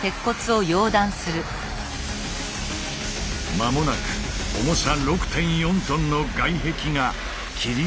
間もなく重さ６．４ｔの外壁が切り離される。